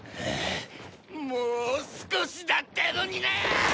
もう少しだったのになあっ！